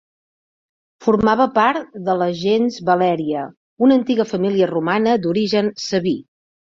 Formava part de la gens Valèria, una antiga família romana d'origen Sabí.